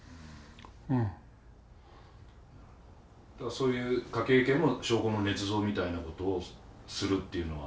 そういう科警研も証拠のねつ造みたいなことをするっていうのは。